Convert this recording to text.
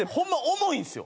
重いんですよ